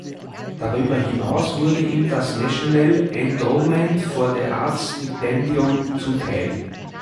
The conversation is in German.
Darüber hinaus wurde ihm das National Endowment for the Arts Stipendium zuteil.